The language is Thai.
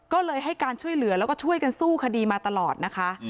ก็เลยให้การช่วยเหลือแล้วก็ช่วยกันสู้คดีมาตลอดนะคะ